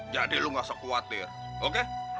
jadi lo gak usah khawatir oke